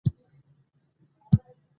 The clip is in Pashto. د بانک له لارې د مالي مرستو ویش شفاف وي.